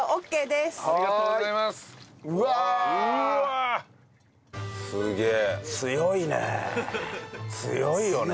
すっげえ。